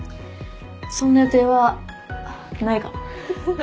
「そんな予定はないかな」